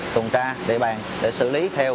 tồn tra địa bàn để xử lý theo